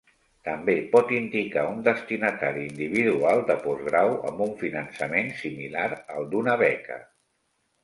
També pot indicar un destinatari individual de postgrau amb un finançament similar al d'una beca.